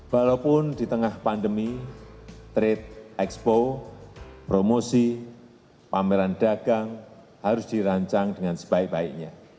walaupun di tengah pandemi trade expo promosi pameran dagang harus dirancang dengan sebaik baiknya